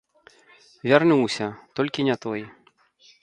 Вярнуўся, толькі не той.